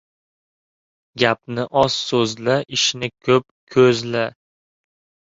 Gapni oz so'zla, ishni ko'p ko'zla.